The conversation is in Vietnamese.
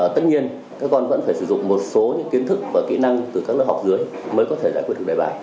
tất nhiên các con vẫn phải sử dụng một số kiến thức và kỹ năng từ các lớp học dưới mới có thể giải quyết được đề bài